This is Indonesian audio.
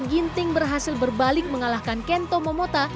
ginting berhasil berbalik mengalahkan kento momota